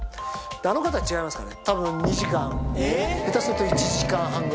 あの方違いますからね。